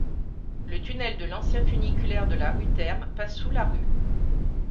Le tunnel de l'ancien funiculaire de la rue Terme passe sous la rue.